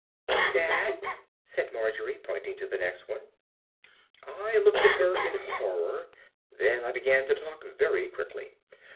"What's 'at?" said Margery, pointing to the next one. I looked at her in horror. Then I began to talk very quickly.